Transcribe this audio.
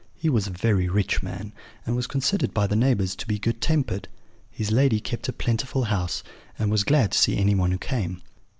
He was a very rich man, and was considered by the neighbours to be good tempered. His lady kept a plentiful house, and was glad to see anyone who came.